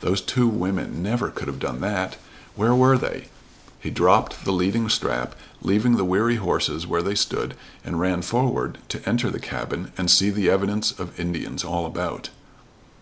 Those two women never could have done that! Where were they? He dropped the leading strap, leaving the weary horses where they stood, and ran forward to enter the cabin and see the evidence of Indians all about.